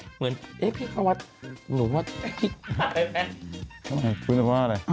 เหมือนพี่ตะวัดหนูว่า